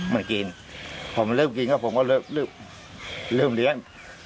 มากินพอมันเริ่มกินก็ผมก็เริ่มเลี้ยง